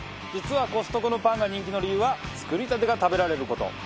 実はコストコのパンが人気の理由は作りたてが食べられる事。